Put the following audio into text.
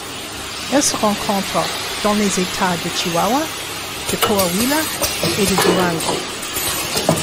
Elle se rencontre dans les États de Chihuahua, de Coahuila et de Durango.